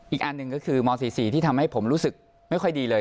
อีกอันหนึ่งก็คือม๔๔ที่ทำให้ผมรู้สึกไม่ค่อยดีเลย